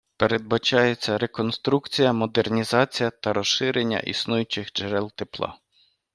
Передбачається реконструкція, модернізація та розширення існуючих джерел тепла.